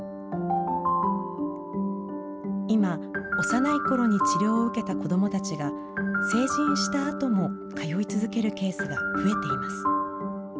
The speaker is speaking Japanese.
今、幼いころに治療を受けた子どもたちが、成人したあとも通い続けるケースが増えています。